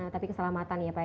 tapi keselamatan ya pak ya